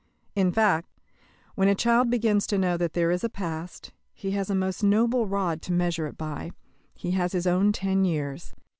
In fact, when a child begins to know that there is a past, he has a most noble rod to measure it by he has his own ten years.